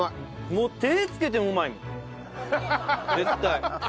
もう手つけてもうまいよ絶対。